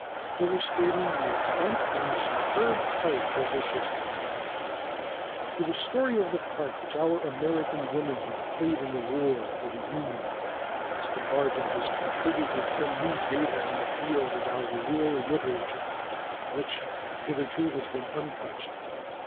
Illustrating "The Extent and the Superb Courage" of the Sisters. To the story of the part which our American womanhood played in the war for the Union Mr. Barton has contributed some new data in the field of our war literature which hitherto has been untouched.